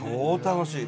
楽しい？